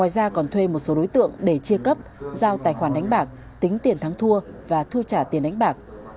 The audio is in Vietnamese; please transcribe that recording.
đối tượng để chia cấp giao tài khoản đánh bạc tính tiền thắng thua và thu trả tiền đánh bạc